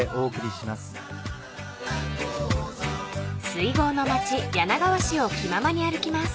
［水郷の町柳川市を気ままに歩きます］